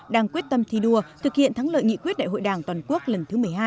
đang quyết tâm thi đua thực hiện thắng lợi nghị quyết đại hội đảng toàn quốc lần thứ một mươi hai